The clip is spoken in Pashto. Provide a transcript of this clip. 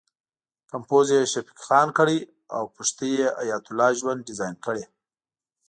کمپوز یې شفیق خان کړی او پښتۍ یې حیات الله ژوند ډیزاین کړې.